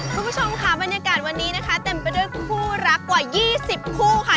คุณผู้ชมค่ะบรรยากาศวันนี้นะคะเต็มไปด้วยคู่รักกว่า๒๐คู่ค่ะ